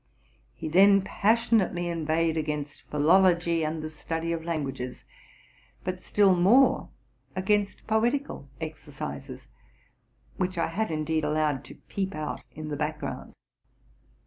He then passionately inveighed against philology and the study of languages, but still more against poetical exercises, which I had indeed allowed to peep out in the background.